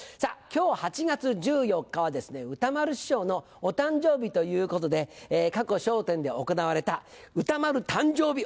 今日８月１４日は歌丸師匠のお誕生日ということで過去『笑点』で行われた歌丸誕生日